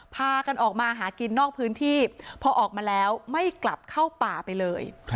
พากันออกมาหากินนอกพื้นที่พอออกมาแล้วไม่กลับเข้าป่าไปเลย